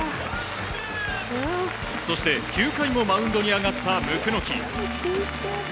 そして、９回もマウンドに上がった椋木。